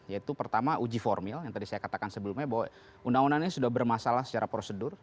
yaitu pertama uji formil yang tadi saya katakan sebelumnya bahwa undang undang ini sudah bermasalah secara prosedur